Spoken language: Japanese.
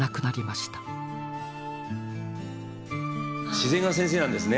自然が先生なんですね。